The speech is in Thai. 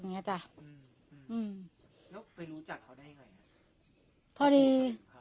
ไปรู้จักเขาได้ไง